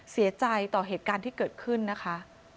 เสียใจต่อเหตุการณ์ที่เกิดขึ้นนะคะ